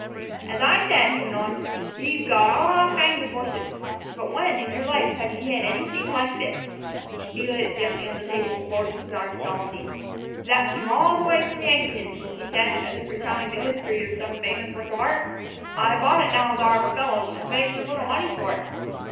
"As I said," he went on, "y' 've got all kinds of horses; but when in yer life hev ye hed anything like this?" He laid it gently on the table, and folded his arms solemnly. "Thet came all the way from Yankton," he said, as if recounting the history of some famous work of art. "I bought it down thar of a feller, an' paid some little money fer it."